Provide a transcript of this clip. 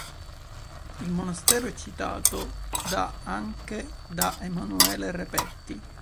Il monastero è citato dà anche da Emanuele Repetti.